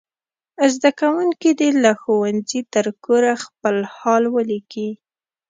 زده کوونکي دې له ښوونځي تر کوره خپل حال ولیکي.